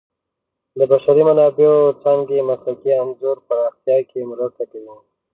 د بشري منابعو څانګې مسلکي انځور پراختیا کې مرسته کوي.